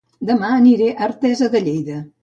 Dema aniré a Artesa de Lleida